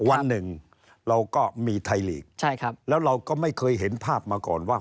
วันหนึ่งเราก็มีไทยลีกใช่ครับแล้วเราก็ไม่เคยเห็นภาพมาก่อนว่า